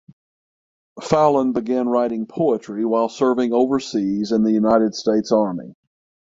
Fallon began writing poetry while serving overseas in the United States Army.